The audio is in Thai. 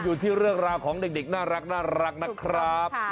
อยู่ที่เรื่องราวของเด็กน่ารักนะครับ